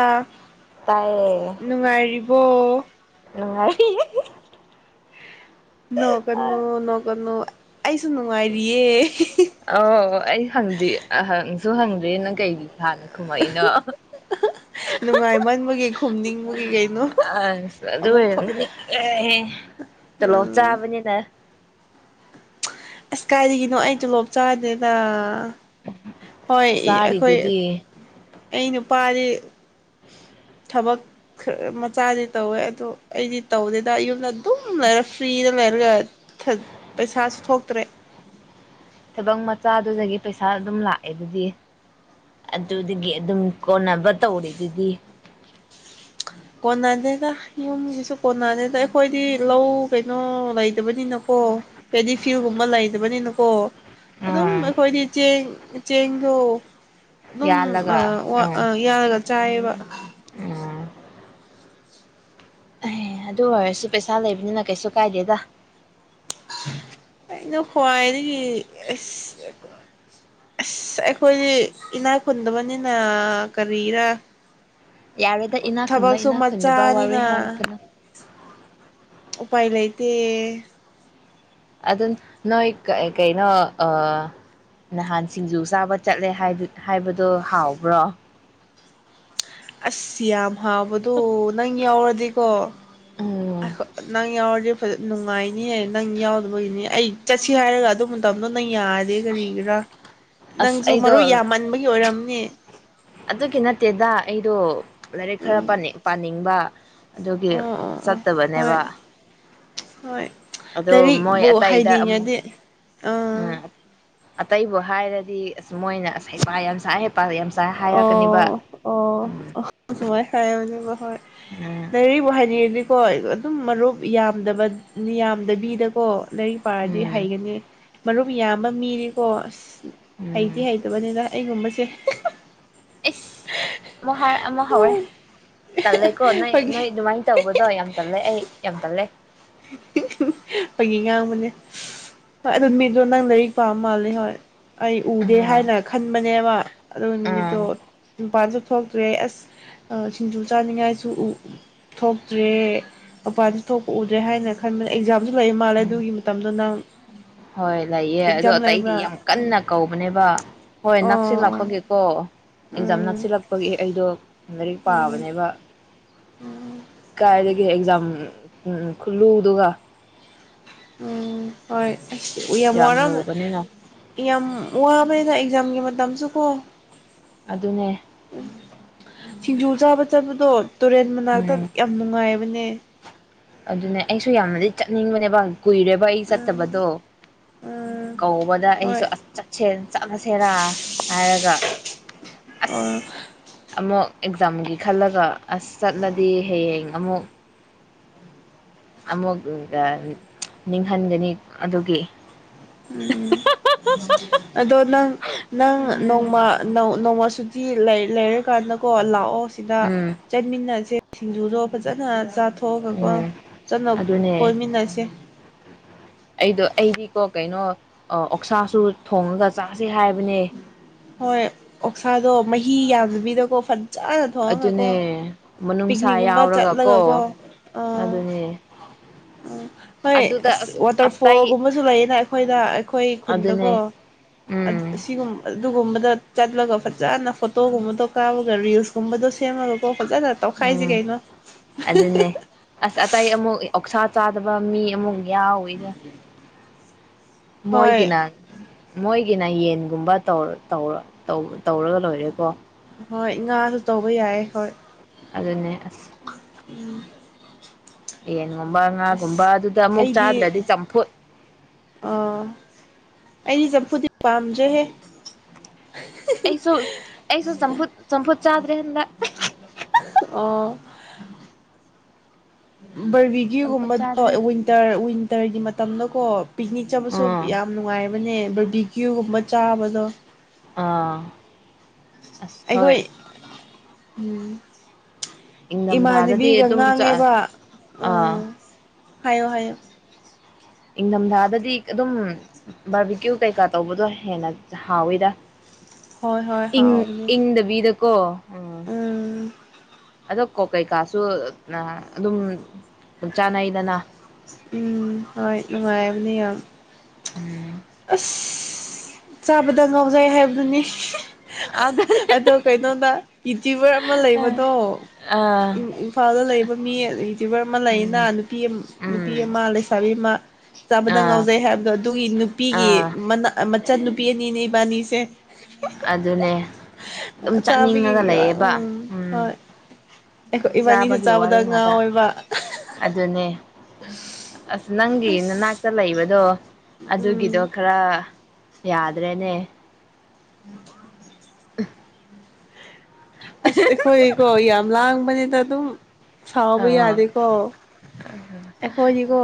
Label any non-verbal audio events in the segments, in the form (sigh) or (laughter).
ꯑꯥ ꯇꯥꯏꯌꯦ ꯅꯨꯡꯉꯥꯏꯔꯤꯕ ꯑꯣ ꯅꯨꯡꯉꯥꯏ ꯅꯣꯀꯅꯨ ꯅꯣꯀꯅꯨ ꯑꯩꯁꯨ ꯅꯨꯡꯉꯥꯏꯔꯤꯌꯦ ꯁꯨ ꯍꯪꯗ꯭ꯔꯦꯅ ꯀꯩꯒꯤ ꯍꯥꯟꯅ ꯈꯨꯝꯃꯛꯏꯅꯣ ꯈꯨꯝꯅꯤꯡꯕꯒꯤꯅ ꯑꯁ ꯑꯗꯨ ꯑꯣꯏꯔꯝꯒꯅꯤꯍ ꯇꯣꯂꯞ ꯎꯝ ꯆꯥꯕꯅꯤꯅ ꯑꯁ ꯀꯔꯤꯒꯤꯅꯣ ꯑꯩ ꯇꯣ ꯂꯣꯞ ꯆꯥꯗꯦꯗ ꯍꯣꯏ ꯑꯩꯈꯣꯏ ꯆꯥꯔꯤꯗꯨꯗꯤ ꯑꯩꯅ ꯅꯨꯄꯥꯗꯤ ꯊꯕꯛ ꯈꯔ ꯃꯆꯥꯗꯤ ꯇꯧꯋꯦ ꯑꯗꯨꯗꯣ ꯑꯩꯗꯤ ꯇꯧꯗꯦꯗ ꯌꯨꯝꯗ ꯑꯗꯨꯝ ꯂꯩꯔ ꯐ꯭ꯔꯤꯗ ꯂꯩꯔꯒ ꯄꯩꯁꯥꯁꯨ ꯊꯣꯛꯇ ꯇ꯭ꯔꯦ ꯊꯕꯛ ꯃꯆꯥꯗꯨꯗꯒꯤ ꯄꯩꯁꯥ ꯑꯗꯨꯝ ꯂꯥꯛꯑꯦ ꯑꯗꯨꯗꯤ ꯑꯗꯨꯗꯒꯤ ꯑꯗꯨꯝ ꯀꯣꯟꯅꯕ ꯇꯧꯔꯤ ꯑꯗꯨꯗꯤ ꯀꯣꯟꯅꯅꯦꯦꯗ ꯌꯨꯝꯒꯤꯁꯨ ꯀꯣꯟꯅꯅꯦꯦꯗ ꯑꯩꯈꯣꯏꯗꯤ ꯂꯧ ꯀꯩꯅꯣ ꯂꯩꯇꯕꯅꯤꯅꯀꯣ ꯄꯦꯗꯤꯐꯤꯜꯒꯨꯝꯕ ꯂꯩꯇꯕꯅꯤꯅꯀꯣ ꯑꯗꯨꯝ ꯎꯝ ꯑꯩꯈꯣꯏꯗꯤ ꯆꯦꯡ ꯆꯦꯡꯗꯣ ꯑꯗꯨꯝ ꯌꯥꯜꯂꯒ ꯑ ꯎꯝ ꯑ ꯌꯥꯗꯒ ꯆꯥꯏꯕ ꯎꯝ ꯑꯦ ꯑꯗꯨ ꯑꯣꯏꯔꯁꯨ ꯄꯩꯁꯥ ꯂꯩꯕꯅꯤꯅ ꯀꯩꯁꯨ ꯀꯥꯏꯗꯦꯗ ꯑꯩꯅ ꯈ꯭ꯋꯥꯏꯗꯒꯤ ꯑꯁ ꯑꯁ ꯑꯩꯈꯣꯏꯗꯤ ꯏꯅꯥ ꯈꯨꯨꯟꯗꯕꯅꯤꯅ ꯀꯔꯤꯔ ꯌꯥꯔꯦꯗ ꯏꯅꯥ ꯈꯨꯨꯟꯕ ꯏꯅꯥ ꯈꯨꯨꯟꯗꯕ ꯋꯥꯔꯣꯏ ꯃꯆꯥꯅꯤꯅ ꯍꯥꯏꯔꯛꯀꯅ ꯎꯄꯥꯏ ꯂꯩꯇꯦ ꯑꯗꯨ ꯅꯣꯏ ꯀꯩꯅꯣ ꯅꯍꯥꯟ ꯁꯤꯡꯖꯨ ꯆꯥꯕ ꯆꯠꯂꯦ ꯍꯥꯏꯕꯗꯣ ꯍꯥꯎꯕ꯭ꯔꯣ ꯑꯁ ꯍꯕꯗꯨ ꯅꯪ ꯌꯥꯎ ꯑꯗꯨꯖꯤꯀꯣ ꯑ ꯎꯝ ꯅꯪ ꯌꯥꯔꯗꯤ ꯅꯨꯡꯉꯥꯏꯅꯤ ꯅꯪ ꯌꯥꯎꯗꯕꯒꯤꯅꯤ ꯑꯩ ꯆꯠꯁꯤ ꯍꯥꯏꯔꯒ ꯑꯗꯨ ꯃꯇꯝꯗꯣ ꯅꯪ ꯌꯥꯗꯦ ꯀꯔꯤꯒꯤꯔꯥ ꯑꯁ ꯅꯪꯁꯨ ꯃꯔꯨ ꯑꯩꯗꯣ ꯌꯥꯝꯃꯟꯕꯒꯤ ꯑꯣꯏꯔꯝ (unintelligible) ꯑꯗꯨꯒꯤ ꯅꯠꯇꯦꯗ ꯑꯩꯗꯣ ꯂꯥꯏꯔꯤꯛ ꯈꯔ ꯎꯝ ꯄꯅꯤꯡ ꯄꯥꯅꯤꯡ ꯕ ꯑꯗꯨꯒꯤ ꯑꯣ ꯑꯣ ꯑꯣ ꯍꯣꯏ ꯆꯠꯇꯕꯅꯦꯕ ꯍꯣꯏ ꯑꯗꯣ ꯃꯣꯏ ꯂꯥꯏꯔꯤꯛꯕꯨ ꯑꯇꯩꯗ ꯑꯃꯨꯛ ꯍꯥꯏꯅꯤꯡꯉꯗꯤ ꯑ ꯎꯝ ꯑꯇꯩꯕꯨ ꯍꯥꯏꯔꯗꯤ ꯑꯁ ꯃꯣꯏꯅ ꯑꯁ ꯍꯩꯄꯥ ꯌꯥꯝꯁꯥꯏ ꯍ ꯑꯣ ꯑꯣ ꯎꯝ ꯑꯣ ꯁꯃꯥꯏ ꯈꯥꯏꯅꯦꯕ ꯍꯣꯏ ꯎꯝ ꯅꯦꯔꯤ ꯍꯥꯏꯗꯤꯗꯤ ꯍꯣꯏ ꯑꯩ ꯑꯗꯨꯝ ꯃꯔꯨꯞ ꯌꯥꯝꯗꯕ ꯌꯥꯝꯗꯕꯤꯗꯀꯣ ꯂꯥꯏꯔꯤꯛ ꯄꯥꯔꯗꯤ ꯎꯝ ꯍꯩꯒꯅꯤ ꯃꯔꯨꯞ ꯌꯥꯝꯕ ꯃꯤꯗꯤꯀꯣ ꯑꯁ ꯎꯝ ꯍꯩꯗꯤ ꯍꯩꯇꯕꯅꯤꯗ ꯑꯩꯒꯨꯝꯕꯁꯦ ꯑꯦꯁ ꯑꯃꯨꯛ ꯍꯥꯏꯔ ꯑꯃꯨꯛ ꯍꯧꯔꯦ ꯇꯜꯂꯦꯀꯣ ꯅꯣꯏ ꯅꯣꯏ ꯐꯥꯒꯤ ꯑꯗꯨꯃꯥꯏꯅ ꯇꯧꯕꯗꯣ ꯌꯥꯝ ꯇꯜꯂꯦ ꯑꯩ ꯌꯥꯝ ꯇꯜꯂꯦ ꯐꯥꯒꯤ ꯉꯥꯡꯕꯅꯦ ꯍꯣꯏ ꯑꯗꯨ ꯃꯤꯗꯣ ꯅꯪ ꯂꯥꯏꯔꯤꯛ ꯄꯥꯝ ꯃꯥꯜꯂꯦ ꯍꯣꯏ ꯑꯩ ꯎꯗꯦ ꯑꯥ ꯍꯥꯏꯅ ꯈꯟꯕꯅꯦꯕ ꯑꯗꯨ ꯅꯨꯃꯤꯠꯇꯣ ꯑꯥ (unintelligible) ꯊꯣꯛꯇ꯭ꯔꯦ ꯑꯁ ꯁꯤꯡꯖꯨ ꯆꯥꯅꯤꯡꯉꯥꯏꯁꯨ ꯊꯣꯛꯇ꯭ꯔꯦ ꯃꯄꯥꯟꯗ ꯊꯣꯛꯄ ꯍꯥꯏꯅ ꯈꯟꯕ ꯑꯦꯛꯖꯝ ꯁꯨ ꯂꯩ ꯃꯥꯜꯂꯦ ꯎꯝ ꯑꯗꯨꯒꯤ ꯃꯇꯝꯗꯣ ꯅꯪ ꯍꯣꯏ ꯂꯩꯌꯦ ꯑꯗꯣ ꯑꯦꯛꯖꯥꯝ ꯑꯇꯩꯗꯤ ꯂꯩꯕ꯭ꯔꯥ ꯌꯥꯝ ꯀꯟꯅ ꯀꯧꯕꯅꯦꯕ ꯍꯣꯏ ꯑꯣ ꯅꯛꯁꯤꯜꯂꯛꯄꯒꯤꯀꯣ ꯑꯦꯛꯖꯥꯝ ꯎꯝ ꯅꯛꯁꯤꯜꯂꯛꯄꯒꯤ ꯑꯩꯗꯣ ꯑ ꯎꯝ ꯄꯥꯕꯅꯦꯕ ꯎꯝ ꯀꯥꯏꯗꯒꯤ ꯑꯦꯛꯖꯥꯝ ꯎꯝ ꯈꯨꯂꯨꯗꯨꯒ ꯎꯝ ꯍꯣꯏ ꯑꯁ ꯌꯥꯝ ꯋꯥꯔ ꯌꯥꯝ ꯋꯥꯕꯅꯤꯗ ꯑꯦꯛꯖꯥꯝꯒꯤ ꯇꯝꯁꯨꯨꯀꯣ ꯑꯗꯨꯅꯦ ꯁꯤꯡꯖꯨ ꯆꯥꯕ ꯆꯠꯄꯗꯣ ꯇꯨꯔꯦꯟ ꯃꯅꯥꯛꯇ ꯎꯝ ꯌꯥꯝ ꯅꯨꯡꯉꯥꯏꯕꯅꯦ ꯑꯗꯨꯅꯦ ꯑꯩꯁꯨ ꯌꯥꯝꯅꯗꯤ ꯆꯠꯅꯤꯡꯕꯅꯦꯕ ꯀꯨꯏꯔꯦꯕ ꯑꯩ ꯎꯝ ꯆꯠꯇꯕꯗꯣ ꯎꯝ ꯀꯧꯕꯗ ꯍꯣꯏ ꯑꯩꯁꯨ ꯑꯁ ꯆꯠꯁꯦ ꯆꯠꯂꯁꯦꯔꯥ ꯍꯥꯏꯔꯒ ꯑꯁ ꯑꯣ ꯑꯃꯨꯛ ꯑꯦꯛꯖꯥꯝꯒꯤ ꯈꯜꯂꯒ ꯑꯁ ꯆꯠꯂꯗꯤ ꯍꯌꯦꯡ ꯊꯃꯣ ꯑꯃꯨꯛ ꯅꯤꯡꯍꯟꯒꯅꯤ ꯑꯗꯨꯒꯤ ꯎꯝ ꯑꯗꯣ ꯅꯪ ꯅꯪ ꯑꯗꯨꯅꯦ ꯅꯣꯡꯃ ꯅꯣꯡꯃ ꯁꯨ ꯂꯩ ꯂꯩꯔ ꯀꯥꯟꯗ ꯀꯣ ꯂꯥꯛꯑꯣ ꯁꯤꯗ ꯎꯝ ꯆꯠꯃꯤꯟꯅꯁꯦ ꯁꯤꯡꯖꯨꯗꯣ ꯐꯖꯅ ꯆ ꯠꯊꯣꯛꯑꯒꯀꯣ ꯎꯝ ꯆꯠꯅ ꯑꯗꯨꯅꯦ ꯀꯣꯏꯃꯤꯟꯅꯁꯦ ꯀꯣ ꯀꯩꯅꯣ ꯑꯣꯛꯁꯥꯁꯨ ꯊꯣꯡꯉꯒ ꯆꯥ ꯁꯤ ꯍꯥꯏꯕꯅꯦ ꯍꯣꯏ ꯑꯣꯛꯁꯥꯗꯣ ꯃꯍꯤ ꯌꯥꯝꯗꯕꯤꯗꯀꯣ ꯐꯖꯅ ꯊꯣꯡꯉꯒꯀꯣ ꯑꯗꯨꯅꯦ ꯃꯅꯨꯡꯅꯨꯡꯁꯥ ꯄꯤꯛꯅꯤꯛꯒꯨꯝꯕ ꯌꯥꯎꯔꯒꯀꯣ ꯆꯠꯂꯒꯀꯣ ꯑꯗꯨꯅꯦ ꯎꯝ ꯍꯣꯏ ꯑꯗꯨꯗ ꯑꯁ ꯑꯇꯩ ꯋꯥꯇꯔꯐꯣꯜꯒꯨꯝꯕꯁꯨ ꯂꯩꯌꯦꯅꯦ ꯑꯩꯈꯣꯏꯗ ꯑꯩꯈꯣꯏ ꯈꯨꯟꯗꯀꯣ ꯑꯗꯨꯅꯦ ꯎꯝ ꯁꯤꯒꯨꯝ ꯑꯗꯨꯒꯨꯝꯕꯗ ꯆꯠꯂꯒ ꯐꯖꯅ ꯐꯣꯇꯣꯒꯨꯝꯕꯗꯣ ꯀꯥꯞꯄꯒ ꯔꯤꯜꯁꯀꯨꯝꯕꯗꯣ ꯁꯦꯝꯃꯒꯀꯣ ꯐꯖꯅ ꯇꯧꯈꯥꯏꯁꯤ ꯎꯝ ꯀꯩꯅꯣ ꯑꯗꯨꯅꯦ ꯑꯁ ꯑꯇꯩ ꯑꯃꯨꯛ ꯑꯣꯛꯁꯥ ꯆꯥꯗꯕ ꯃꯤ ꯑꯃꯨꯛ ꯌꯥꯎ ꯏꯗ ꯍꯣꯏ ꯃꯣꯏꯒꯤꯅꯥ ꯃꯣꯏ ꯑꯩꯒꯤꯅ ꯌꯦꯟꯒꯨꯝꯕ ꯇꯧꯔꯧ ꯇꯧꯔꯒ ꯂꯣꯏꯔꯦꯀꯣ ꯍꯣꯏ ꯉꯥꯁꯨ ꯇꯧꯕ ꯌꯥꯏ ꯍꯣꯏ ꯑꯗꯨꯅꯦ ꯎꯝ ꯌꯦꯟꯒꯨꯝꯕ ꯉꯥꯒꯨꯝꯕ ꯑꯗꯨꯗ ꯑꯃꯨꯛ ꯑꯩꯗꯤ ꯆꯥꯗ꯭ꯔꯗꯤ ꯆꯝꯐꯨꯠ ꯑꯥ ꯑꯩꯗꯤ ꯆꯝꯐꯨꯗꯤ ꯄꯥꯝꯗ꯭ꯔꯦꯍꯦ ꯑꯩꯁꯨ ꯑꯩꯁꯨ ꯆꯝꯐꯨꯠ ꯆꯝꯐꯨꯠ ꯆꯥꯗ꯭ꯔꯦ ꯍꯟꯗꯛ (unintelligible) (inaudible) ꯆꯝꯐꯨꯠ ꯕꯔꯕꯤꯀ꯭ꯌꯨꯒꯨꯝꯕꯗꯣ ꯆꯥꯗ꯭ꯔꯦ ꯋꯤꯟꯇꯔ ꯋꯤꯟꯇꯔꯒꯤ ꯃꯇꯝꯗ ꯑꯣꯠ ꯄꯤꯛꯅꯤꯛ ꯆꯠꯕꯁꯨ ꯑꯥ ꯌꯥꯝꯅ ꯅꯨꯡꯉꯥꯏꯔꯕꯅꯦ ꯀ꯭ꯌꯨꯒꯨ (inaudible) ꯝꯕ ꯆꯥꯕꯗꯣ ꯑꯥ ꯑ ꯍꯣꯏ ꯑꯩꯈꯣꯏ ꯎꯝ ꯏꯝꯗꯥ ꯑꯗꯗꯤ ꯏꯃꯥꯟꯅꯕꯤꯒ ꯑꯗꯨꯝ ꯆ ꯉꯥꯡꯉꯦꯕ ꯑꯥ ꯎꯝ ꯍꯥꯏꯌꯣ ꯍꯥꯏꯌꯣ ꯏꯪꯊꯝꯊꯥꯗꯗꯤ ꯑꯗꯨꯝ ꯕꯥꯔꯕꯤꯀ꯭ꯌꯨ ꯀꯩꯀꯥ ꯇꯧꯕꯗꯣ ꯍꯦꯟꯅ ꯍꯥꯎꯋꯤꯗ ꯍꯣꯏ ꯍꯣꯏ ꯏꯪ ꯍꯥꯎꯕꯅꯦ ꯏꯪ ꯗꯕꯤꯗ ꯀꯣ ꯑꯣꯥ ꯎꯝ ꯑꯗꯣ ꯀꯣ ꯀꯩꯀꯥꯁꯨ ꯑꯗꯨꯝ ꯆꯥꯅꯩꯗꯅ ꯎꯝ ꯍꯣꯏ ꯅꯨꯡꯉꯥꯏ ꯎꯅꯦ ꯎꯝ ꯑꯁ ꯆꯥꯕꯗ ꯉꯥꯎꯖꯩ ꯍꯥꯏꯕꯗꯨꯅꯤ ꯑꯗꯨ ꯑꯗꯣ ꯀꯩꯅꯣꯗ ꯌꯨꯇ꯭ꯌꯨꯕꯔ ꯑꯃ ꯂꯩꯕꯗꯣ ꯑꯥ ꯏꯝꯐꯥꯜꯗ ꯂꯩꯕ ꯃꯤ ꯌꯨꯇ꯭ꯌꯨꯕꯔ ꯑꯃ ꯂꯩꯌꯦꯅ ꯎꯝ ꯅꯨꯄꯤ ꯅꯨꯄꯤ ꯎꯝ ꯑꯃ ꯂꯩꯁꯥꯕꯤ ꯑꯃ ꯆꯥꯕꯗ ꯑꯥ ꯉꯥꯎꯖꯩ ꯍꯥꯏꯕꯗꯣ ꯑꯗꯨꯒꯤ ꯑꯩꯒꯤ ꯑꯥ ꯃꯅꯥ ꯃꯆꯥꯅꯨꯄꯤ ꯑꯅꯤꯅꯦ ꯏꯕꯥꯟꯅꯤꯁꯦ ꯑꯗꯨꯅꯦ ꯑꯗꯨꯝ ꯆꯠꯅꯤꯡꯉꯒ ꯆꯥꯕꯒꯤ ꯂꯩꯌꯦꯕ ꯎꯝ ꯍꯣꯏ ꯑꯩꯈꯣꯏ ꯏꯕꯥꯅꯤꯁꯦ ꯆꯥꯕꯒꯤ ꯋꯥꯔꯤ ꯆꯥꯕꯗ ꯉꯥꯛꯇ ꯉꯥꯎꯋꯦꯕ ꯑꯗꯨꯅꯦ ꯑꯁ ꯅꯪꯒꯤ ꯅꯅꯥꯛꯇ ꯂꯩꯕꯗꯣ ꯑꯗꯨꯒꯤꯗꯣ ꯎꯝ ꯈꯔ ꯌꯥꯗ꯭ꯔꯦꯅꯦ ꯎꯝ (inaudible) ꯎ ꯑꯁ ꯑꯩꯈꯣꯏ ꯀꯣ ꯌꯥꯝ ꯂꯥꯡꯕꯅꯤꯗ ꯑꯗꯨꯝ ꯁꯥꯎꯕ ꯑꯥ ꯌꯥꯗꯦꯀꯣ ꯑꯩꯈꯣꯏꯅꯤꯀꯣ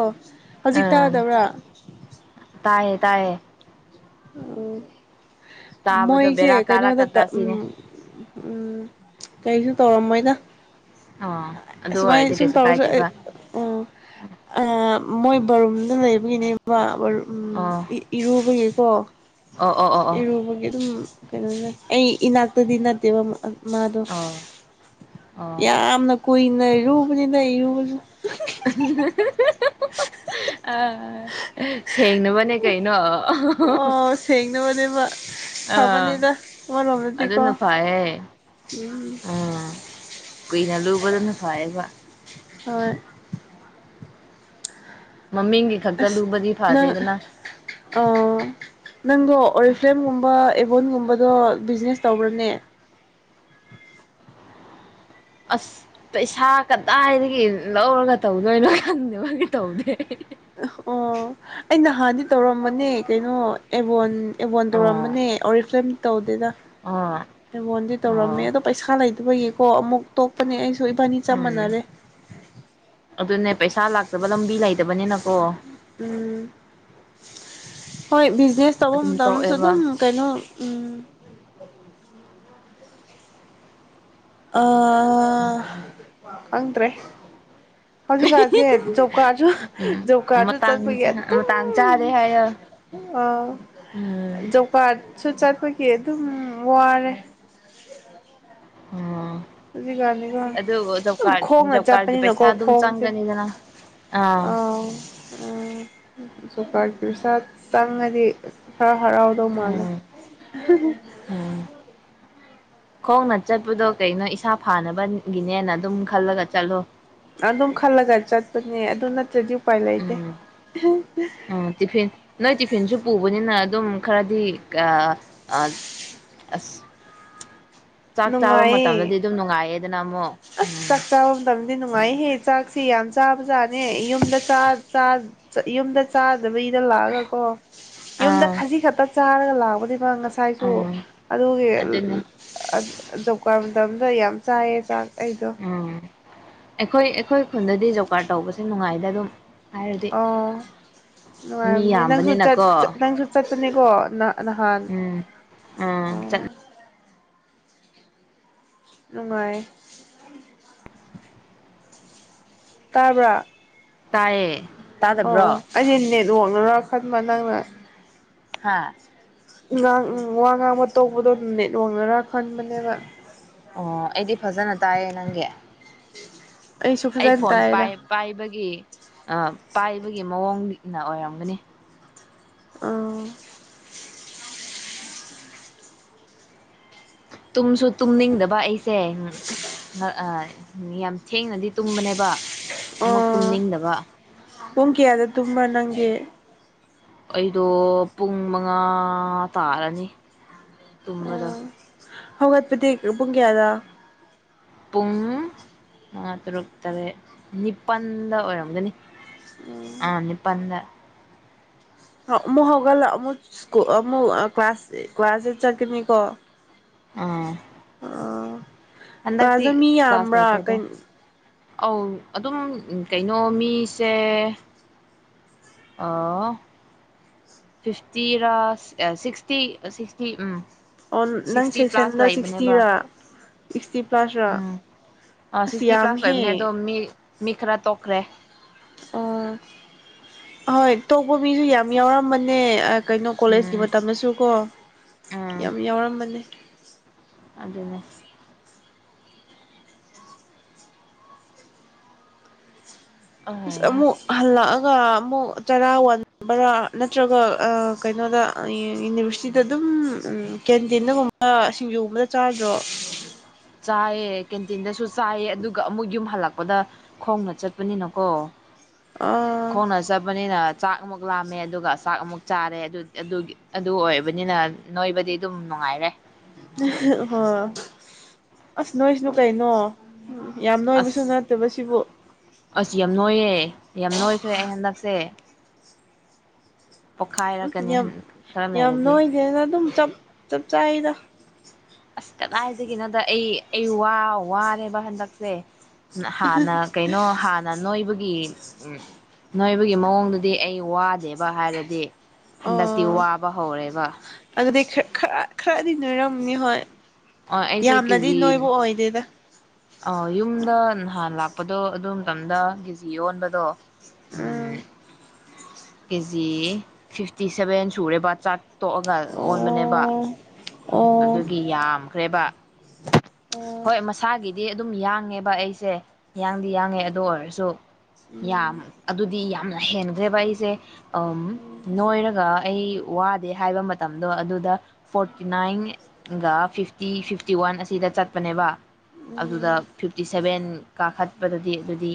ꯍꯧꯖꯤꯛ ꯇꯥꯗꯕ꯭ꯔꯥ ꯇꯥꯌꯦꯦ ꯇꯥꯏꯌꯦ ꯑꯣ ꯇꯥꯕꯗꯣ ꯃꯣꯏꯁꯦ ꯕꯦꯔꯥ ꯀꯩꯅꯣꯗ ꯀꯥꯔꯛꯀꯗ꯭ꯔꯥ ꯁꯤꯅꯦ ꯀꯩꯁꯨ ꯇꯧꯔꯝꯃꯣꯏꯗ ꯑꯣ ꯑꯗꯨ ꯑꯁꯨꯃꯥꯏꯅ ꯑꯣꯏꯔꯗꯤ ꯁꯨꯝ ꯀꯩꯁꯨ ꯇꯧꯔꯁꯨ ꯑꯩ ꯀꯥꯏꯗꯦꯕ ꯎꯝ ꯎ ꯃꯣꯏ ꯕꯔꯨꯝꯗ ꯂꯩꯕꯒꯤꯅꯦꯕ ꯑꯣ (unintelligible) ꯏꯔꯨꯕ ꯀꯣ ꯑꯣ ꯑꯣ ꯑꯣ ꯑꯣ ꯏꯔꯨꯕꯒꯤ ꯑꯗꯨꯝ ꯎꯝ ꯀꯩꯅꯣꯅꯦ ꯑꯩ ꯏꯅꯥꯛꯇꯗꯤ ꯅꯠꯇꯦꯕ ꯃꯥꯗꯣ ꯑꯣ ꯑꯣ ꯌꯥꯝꯅ ꯀꯣꯅ ꯔꯨꯕꯅꯤꯅ ꯏꯔꯨꯕꯥꯖꯨ ꯑ ꯁꯦꯡꯅꯕꯅꯦ ꯀꯩꯅꯣ ꯑꯣ ꯁꯦꯡꯅꯕꯅꯦꯕ ꯑꯥ ꯐꯕꯅꯤꯗ ꯑꯃꯔꯣꯝꯗꯗꯤꯀꯣ ꯑꯗꯨꯅ ꯐꯩꯌꯦ ꯎꯝ ꯑꯥ ꯀꯨꯏꯅ ꯂꯨꯕꯗꯨꯅ ꯐꯌꯦꯕ ꯍꯣꯏ ꯃꯃꯤꯡꯒꯤ ꯈꯛꯇ ꯑꯁ ꯂꯨꯕꯗꯤ ꯅꯪ ꯐꯗꯦꯗꯅ ꯅꯪꯗꯣ ꯑꯣꯔꯤꯐ꯭ꯂꯦꯝꯒꯨꯝꯕ ꯑꯦ ꯕꯣꯟꯒꯨꯝꯕꯗꯣ ꯕꯤꯖꯤꯅꯦꯁ ꯇꯧꯕ꯭ꯔꯅꯦ ꯑꯁ ꯄꯩꯁꯥ ꯀꯗꯥꯏꯗꯒꯤ ꯂꯧꯔꯒ ꯇꯧꯗꯣꯏꯅꯣ ꯈꯪꯗꯕꯒꯤ ꯇꯧꯗꯦ ꯑꯣ ꯑꯩ ꯅꯍꯥꯟꯗꯤ ꯇꯧꯔꯝꯕꯅꯦ ꯀꯩꯅꯣ ꯑꯦꯕꯣꯟ ꯑꯦꯕꯣꯟ ꯑꯣ ꯇꯧꯔꯝꯕꯅꯦ ꯑꯣꯔꯤꯐ꯭ꯂꯦꯝ ꯇꯧ ꯗꯦꯗꯥ ꯑꯣ ꯑꯦꯕꯣꯟꯗꯤ ꯇꯧꯔꯝꯃꯦ ꯑꯣ ꯑꯗꯣ ꯄꯩꯁꯥ ꯇꯕꯥꯒꯤꯀꯣ ꯑꯃꯨꯛ ꯇꯣꯛꯄꯅꯦ ꯑꯩ ꯎꯝ ꯑꯗꯨꯅꯦ ꯄꯩꯁꯥ ꯂꯥꯛꯇꯕ ꯂꯝꯕꯤ ꯂꯩꯇꯕꯅꯤꯅ ꯀꯣ ꯎꯝ ꯍꯣꯏ ꯕꯤꯖꯤꯅꯦꯁ ꯇꯧꯕ ꯑꯗꯨꯝ ꯃꯇꯝꯗꯁꯨ ꯇꯣꯛꯑꯦꯕ ꯑꯗꯨꯝ ꯀꯩꯅꯣ ꯎꯝ ꯑ ꯈꯪꯗ꯭ꯔꯦ ꯍꯧꯖꯤꯛꯀꯥꯟꯁꯦ ꯖꯣꯕꯀꯥꯔꯁꯨ ꯎꯝ ꯖꯧꯕꯀꯥꯔꯁꯨ ꯃꯇꯥꯡ ꯆꯠꯄꯒꯤ ꯑꯗꯨꯝ ꯃꯇꯥꯡ ꯆꯥꯗꯦ ꯍꯥꯏꯌꯣ ꯑ ꯎꯝ ꯖꯧꯕꯀꯥꯔ ꯁꯨ ꯆꯠꯄꯒꯤ ꯑꯗꯨꯝ ꯋꯥꯔꯦ ꯎꯝ ꯍꯧꯖꯤꯛꯀꯥꯟꯗꯤꯀꯣ ꯈꯣꯡꯅ ꯖꯣꯕ ꯀꯥꯔꯠꯀꯤ ꯆꯠꯄꯅꯤꯅꯀꯣ ꯄꯩꯁꯥ ꯑꯗꯨꯝ ꯈꯣꯡꯁꯦ ꯆꯪꯒꯅꯤꯗꯅ ꯑꯥ ꯎꯝ ꯖꯣꯕꯥꯀꯔꯒꯤ ꯄꯩꯁꯥ ꯆꯪꯉꯗꯤ ꯈꯔ ꯍꯔꯎꯗꯣ ꯃꯥꯂꯦ ꯎꯝ ꯎꯝ ꯈꯣꯡꯅ ꯆꯠꯄꯗꯣ ꯀꯩꯅꯣ ꯏꯁꯥ ꯐꯥꯅꯕꯒꯤꯅꯦꯅ ꯑꯗꯨꯝ ꯈꯜꯂꯒ ꯆꯠꯂꯣ ꯑꯗꯨꯝ ꯈꯜꯂꯒ ꯆꯠꯄꯅꯦ ꯑꯗꯨ ꯅꯠꯇ꯭ꯔꯗꯤ ꯎꯄꯥꯏ ꯂꯩꯇꯦ ꯎꯝ ꯎꯝ ꯇꯤꯐꯤꯟ ꯅꯣꯏ ꯇꯤꯐꯤꯟꯁꯨ ꯄꯨꯕꯅꯤꯅ ꯑꯗꯨꯝ ꯈꯔꯗꯤ ꯑꯁ ꯆꯥꯛ ꯆꯥꯕ ꯅꯨꯡꯉꯥꯏꯌꯦ ꯃꯇꯝꯗꯗꯤ ꯑꯗꯨꯝ ꯅꯨꯡꯉꯥꯏꯑꯦꯗꯅ ꯑꯣ ꯎꯝ ꯗꯤ ꯅꯨꯡꯉꯥꯏꯍꯦ ꯆꯥꯛꯁꯤ ꯌꯥꯝ ꯆꯥꯕ ꯖꯥꯠꯅꯦ ꯌꯨꯝꯗ ꯆꯥꯛ ꯆꯥꯕ ꯌꯨꯝꯗ ꯆꯥꯛ ꯗꯕꯤꯘ ꯂꯥꯛꯑꯒ ꯀꯣ ꯌꯨꯝꯗ ꯑꯥ ꯈꯖꯤ ꯈꯛꯇ ꯆꯥꯔꯒ ꯂꯕꯗꯤ ꯑꯗꯨꯒ ꯉꯁꯥꯏꯁꯨ ꯎꯝ ꯑꯗꯨꯒꯤ ꯑꯗꯨꯅꯦ ꯖꯣꯕꯀ꯭ꯔꯥꯗ ꯃꯇꯝꯗ ꯌꯥꯝ ꯆꯥꯏꯌꯦ ꯆꯥꯛ ꯑꯩꯗꯣ ꯎꯝ ꯑꯩꯈꯣꯏ ꯑꯩꯈꯣꯏ ꯈꯨꯟꯗꯗꯤ ꯖꯧꯀꯥꯔ ꯇꯧꯕꯁꯦ ꯅꯨꯡꯉꯥꯏꯗ ꯑꯗꯨꯝ ꯍꯥꯏꯔꯗꯤ ꯃꯤ ꯑꯣꯅꯨꯡꯉꯥꯏꯔꯅꯤ ꯅꯪꯁꯨ ꯆꯠ ꯌꯥꯝꯕꯅꯤꯅꯀꯣ ꯅꯪꯁꯨ ꯆꯇ ꯅꯦꯀꯣ ꯅ ꯎꯝ ꯑꯥ ꯆꯠ ꯅꯨꯡꯉꯥꯏ ꯇꯥꯕ꯭ꯔ ꯇꯥꯏꯌꯦ ꯇꯥꯗꯕ꯭ꯔꯣ ꯂꯣꯡꯅꯔ ꯈꯟꯕ ꯅꯪꯅ ꯍꯥꯥ ꯥ ꯋꯥ ꯉꯥꯡꯕ ꯇꯧꯕꯗꯣ ꯑꯗꯨꯝꯅꯦꯠ ꯋꯥꯡꯉꯔꯥ ꯈꯟꯕꯅꯦꯕ ꯑꯣ ꯑꯩꯗꯤ ꯐꯖꯅ ꯇꯥꯏꯌꯦ ꯅꯪꯒꯤ ꯑꯩꯁꯨ ꯑꯩ ꯐꯖꯅ ꯐꯣꯟ ꯇꯥꯏꯗ ꯄꯥꯏ ꯄꯥꯏꯕꯒꯤ ꯍꯥꯏꯒꯤ ꯃꯑꯣꯡꯅ ꯑꯣꯏꯔꯝꯒꯅꯤ ꯑ ꯇꯨꯝꯁꯨ ꯇꯨꯝꯅꯤꯡꯗꯕ ꯑꯩ ꯁꯦ ꯎꯝ ꯑ ꯌꯥꯝ ꯊꯦꯡꯅꯗꯤ ꯇꯨꯝꯕꯅꯦꯕ ꯑꯃꯨꯛ ꯑꯣ ꯇꯨꯝꯅꯤꯡꯗꯕ ꯄꯨꯡ ꯀꯂꯥꯗ ꯇꯨꯝꯕ ꯅꯪ ꯑꯦ ꯑꯩꯗꯣ ꯄꯨꯡ ꯃꯉꯥ ꯇꯥꯔꯅꯤ ꯇꯨꯝꯕꯗ ꯎꯝ ꯍꯧꯒꯠꯄꯗꯤ ꯄꯨꯨꯡ ꯀꯌꯥꯗ ꯄꯨꯡ ꯃꯉꯥ ꯇꯔꯨꯛ ꯇꯔꯦꯠ ꯅꯤꯄꯜꯗ ꯑꯣꯏꯔꯝꯒꯅꯤ ꯎꯝ ꯑ ꯏꯅꯤꯄꯗ ꯑꯃꯨꯛ ꯍꯧꯒꯠꯂ ꯑꯃꯨꯛ ꯑꯃꯨꯛ ꯀ꯭ꯂꯥꯁ ꯀ꯭ꯂꯥꯁꯁꯤ ꯆꯠꯀꯅꯤꯀꯣ ꯑꯥ ꯍꯟꯗꯛꯇꯤ ꯀꯖ ꯃꯤ ꯀ꯭ꯂꯥꯁ ꯌꯥꯝꯕ꯭ꯔꯥ ꯂꯩꯇꯦꯗ ꯀꯩꯅꯣ ꯑꯧ ꯑꯗꯨꯝ ꯀꯩꯅꯣ ꯃꯤꯁꯦ ꯐꯤꯞꯇꯤꯔꯥ ꯁꯤꯛꯁꯇꯤ ꯁꯤꯛꯁꯇꯤ ꯎꯝ ꯑꯣ ꯅꯪ ꯁꯤꯛꯁꯇꯤ ꯄ꯭ꯂꯥꯁ ꯁꯦꯛꯁꯟꯗ ꯂꯩꯕꯅꯦꯕ ꯁꯤꯛꯁꯇꯤꯔꯥ ꯁꯤꯛꯁꯇꯤꯞ ꯎꯝ (unintelligible) ꯌꯥꯃꯤꯍꯦ ꯃꯤꯈꯔꯥ ꯇꯣꯛꯈ꯭ꯔꯦ ꯑꯣ ꯍꯣꯏ ꯇꯧꯕ ꯃꯤꯁꯨ ꯌꯥꯝ ꯌꯥꯎꯔꯝꯕꯅꯦ ꯀꯩꯅꯣ ꯀꯣꯂꯦꯖꯀꯤ ꯎꯝ ꯃꯇꯝꯗꯁꯨ ꯀꯣ ꯎꯝ ꯌꯥꯝ ꯌꯥꯎꯔꯝꯕꯅꯦ ꯑꯗꯨꯅꯦ ꯑꯍꯩꯍꯥ ꯑꯃꯣ ꯍꯜ ꯂ ꯑꯗꯨꯒ ꯑꯃꯨꯛ ꯆꯔꯥ ꯋꯥꯟꯕꯔꯥ ꯅꯠꯇ꯭ꯔꯒ ꯀꯩꯅꯣꯗ ꯌꯨꯅꯤꯚꯔꯁꯤꯇꯤꯗ ꯑꯗꯨꯝ ꯀꯦꯟꯇꯤꯟꯗꯒꯨꯝꯕ ꯁꯤꯡꯖꯨꯒꯨꯝꯕꯗ ꯆꯥꯗ꯭ꯔꯣ ꯆꯥꯏꯌꯦ ꯀꯦꯟꯇꯤꯟꯗꯁꯨ ꯆꯥꯏꯌꯦ ꯑꯗꯨꯒ ꯑꯃꯨꯛ ꯌꯨꯝ ꯍꯜꯂꯛꯄꯗ ꯈꯣꯡꯅ ꯆꯠꯄꯅꯤꯅꯀꯣ ꯑꯥ ꯀꯣꯟꯁꯥꯕꯅꯤꯅ ꯆꯥꯛ ꯑꯃꯨꯛ ꯂꯥꯝꯃꯦ ꯑꯗꯨꯒ ꯆꯥꯛ ꯑꯃꯨꯛ ꯆꯥꯔꯦ ꯑꯗꯨ ꯑꯗꯨꯒꯤ ꯑꯗꯨ ꯑꯣꯏꯕꯅꯤꯅ ꯅꯣꯏꯕꯗꯤ ꯑꯗꯨꯝ ꯅꯨꯡꯉꯥꯏꯔꯦ ꯍ ꯑꯁ ꯅꯣꯏ ꯏꯁꯅꯨ ꯀꯩꯅꯣ ꯌꯥꯝ ꯅꯣꯏꯕꯁꯨ ꯑꯁ ꯅꯠꯇꯕꯁꯤꯕꯨ ꯑꯁ ꯌꯥꯝ ꯅꯣꯏꯌꯦꯦ ꯌꯥꯝ ꯅꯣꯏꯈ꯭ꯔꯦ ꯑꯩ ꯍꯟꯗꯛ ꯎꯆꯦ ꯎꯝ ꯌꯥꯝ ꯈꯔ ꯌꯥꯝ ꯂꯩꯔꯗꯤ ꯅꯣꯏꯗꯦꯅ ꯑꯗꯨꯝꯞ ꯆ ꯆꯍꯤꯗ ꯑꯁ ꯀꯗꯥꯏꯗꯒꯤꯅꯣꯗ ꯑꯩ ꯑꯩ ꯋꯥ ꯋꯥꯔꯦꯕ ꯍꯟꯗꯛꯁꯦ ꯍꯥꯟꯅ ꯀꯩꯅꯣ ꯍꯥꯟꯅ ꯅꯣꯏꯕꯒꯤ ꯒꯤ ꯎ ꯅꯣꯏꯕꯒꯤ ꯃꯑꯣꯡꯗꯨꯗꯤ ꯑꯩ ꯋꯥꯗꯦꯕ ꯍꯥꯏꯔꯗꯤ ꯍꯟꯗꯛꯇꯤ ꯑꯣ ꯋꯥꯕ ꯍꯧꯔꯦꯕ ꯑꯗꯨꯗꯤ ꯈꯔ ꯈꯔ ꯈꯔꯗꯤ ꯅꯣꯏꯔꯝꯅꯤ ꯍꯣꯏ ꯑꯣ ꯌꯥꯝꯅꯗꯤ ꯅꯣꯏꯕꯨ ꯑꯣꯏꯗꯦꯗ ꯑ ꯌꯨꯝꯗ ꯅꯍꯥꯟ ꯂꯥꯛꯄꯗꯣ ꯑꯗꯨ ꯃꯇꯝꯗ ꯀꯦꯖꯤ ꯌꯣꯟꯕꯗꯣ ꯑ ꯀꯦꯖꯤ ꯐꯤꯐꯇꯤ ꯁꯦꯚꯦꯟ ꯁꯨꯔꯦ ꯆꯥꯛ ꯇꯣꯛꯑꯒ ꯑꯣꯟꯕꯅꯦꯕ ꯑꯣ ꯑꯣ ꯑꯗꯨꯒꯤ ꯌꯥꯝꯈ꯭ꯔꯦꯕ ꯑꯣ ꯍꯣꯏ ꯃꯁꯥꯒꯤ ꯗꯤ ꯑꯗꯨꯝ ꯌꯥꯡꯉꯦꯕ ꯑꯩꯁꯦ ꯌꯥꯡꯗꯤ ꯌꯥꯡꯉꯦ ꯑꯗꯨ ꯑꯣꯏꯔꯁꯨ ꯌꯥꯝ ꯎꯝ ꯑꯗꯨꯗꯤ ꯌꯥꯝ ꯍꯦꯟꯅꯈ꯭ꯔꯦꯕ ꯑꯩꯁꯦ ꯎꯝ ꯅꯣꯏꯔꯒ ꯑꯩ ꯋꯥꯗꯦ ꯍꯥꯏꯕ ꯃꯇꯝꯗꯣ ꯑꯗꯨꯗ ꯐꯣꯔꯇꯤ ꯅꯥꯏꯟꯒ ꯐꯤꯐꯇꯤ ꯐꯤꯐꯇꯤ ꯋꯥꯟ ꯑ ꯁꯤꯗ ꯆꯠꯄꯅꯦꯕ ꯑꯗꯨꯗ ꯎꯝ ꯐꯤꯞꯇꯤ ꯁꯚꯦꯟ ꯀꯥꯈꯠꯄꯗꯗꯤ ꯑꯗꯨꯗꯤ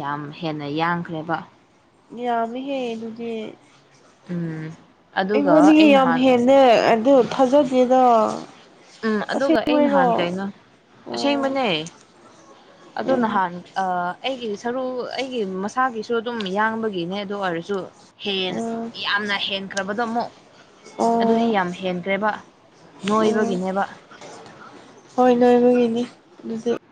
ꯌꯥꯝ ꯍꯦꯟꯅ ꯌꯥꯡꯈ꯭ꯔꯦꯕ ꯌꯥꯝꯃꯤꯍꯦ ꯑꯗꯨꯗꯤ ꯎꯝ ꯑꯗꯨꯒ ꯑꯩꯉꯣꯟꯗꯒꯤ ꯑꯩ ꯌꯥꯝ ꯅꯍꯥꯟ ꯍꯦꯟꯅ ꯑꯗ ꯊꯥꯖꯒꯦꯗ ꯎꯝ ꯑꯗꯨꯒ ꯑꯩ ꯅꯍꯥꯟ ꯀꯩꯅꯣ ꯑꯣ ꯑꯁꯦꯡꯕꯅꯦ ꯑꯗꯨ ꯅꯍꯥꯟ ꯑꯩꯒꯤ ꯁꯔꯨ ꯑꯩꯒꯤ ꯃꯁꯥꯒꯤꯁꯨ ꯑꯗꯨꯝ ꯌꯥꯡꯕꯒꯤꯅꯦ ꯑꯗꯨ ꯑꯣꯏꯔꯁꯨ ꯑꯣ ꯌꯥꯝꯅ ꯍꯦꯟꯈ꯭ꯔꯕꯗꯣ ꯑꯃꯨꯛ ꯑꯣ ꯑꯣ ꯑꯗꯨꯗꯤ ꯌꯥꯝ ꯍꯦꯟꯈ꯭ꯔꯦꯕ ꯅꯣꯏꯕ ꯑꯣ ꯕꯤꯅꯦꯕ ꯍꯣꯏ ꯅꯣꯏ ꯅꯣꯏꯒꯤꯅꯦ ꯑꯗꯨꯗꯤ